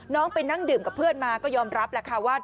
น้องไปนั่งดื่มกับเพื่อนมาก็ยอมรับค่ะว่า